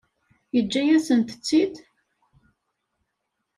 Yeǧǧa-yasent-tt-id?